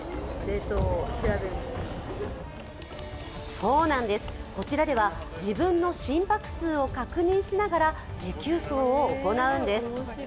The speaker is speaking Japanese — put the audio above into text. そうなんです、こちらでは自分の心拍数を確認しながら持久走を行うんです。